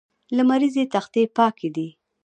لمریزې تختې پاکې دي.